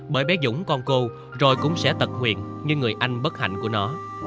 bởi bé dũng con cô rồi cũng sẽ tật nguyền như người anh bất hạnh của nó